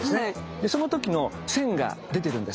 でその時の線が出てるんです。